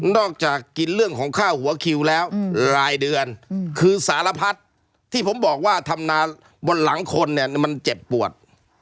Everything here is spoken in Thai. กินเรื่องของค่าหัวคิวแล้วรายเดือนคือสารพัดที่ผมบอกว่าทำนาบนหลังคนเนี่ยมันเจ็บปวด